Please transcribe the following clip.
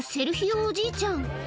おじいちゃん。